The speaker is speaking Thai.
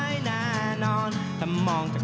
สนุนโดยอีซุสุข